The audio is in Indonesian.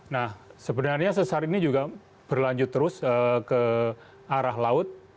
nah sebenarnya sesar ini juga berlanjut terus ke arah laut